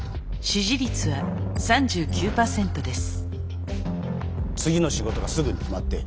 支持率は３５％です。